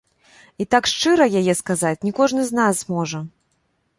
І так шчыра яе сказаць не кожны з нас зможа.